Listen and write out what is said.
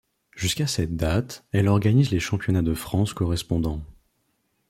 Jusqu’à cette date elle organise les championnats de France correspondants.